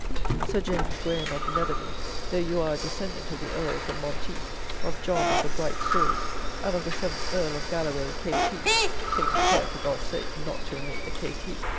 Sir James Graham "of Netherby," though you are a descendant of the Earls of Monteith, of John of the bright sword, and of the Seventh Earl of Galloway, K.T. (taking care, for God's sake, not to omit the K.T.)